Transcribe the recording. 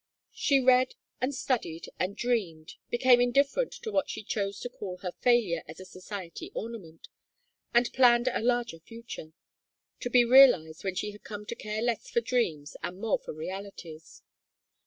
She read and studied and dreamed, became indifferent to what she chose to call her failure as a society ornament, and planned a larger future; to be realized when she had come to care less for dreams and more for realities.